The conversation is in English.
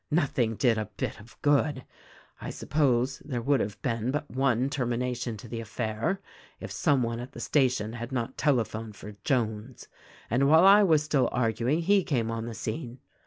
Nothing did a bit of good. I suppose there would have been but one termination to the affair if some one at the station had not telephoned for Jones, and while I was still arguing he came on the scene.